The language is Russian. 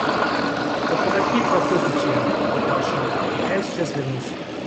Поторопи Прокофьича, папаша, а я сейчас вернусь.